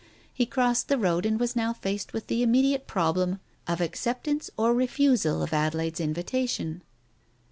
He crossed the road and was now faced with the immediate problem of acceptance or refusal of Adelaide's invitation.